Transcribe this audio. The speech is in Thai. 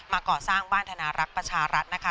ก่อสร้างบ้านธนารักษ์ประชารัฐนะคะ